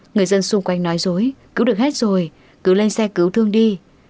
người dân xung quanh nói dối cứu được hết rồi cứ lên xe cứu thương đi